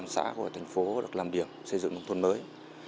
xã của thành phố được làm điểm xây dựng nông thôn mới